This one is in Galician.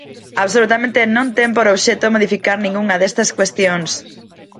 Absolutamente non ten por obxecto modificar ningunha destas cuestións.